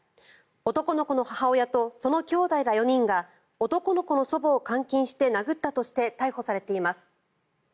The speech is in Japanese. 男の子の母親とそのきょうだいら４人が男の子の祖母を監禁して殴ったとして逮捕されています。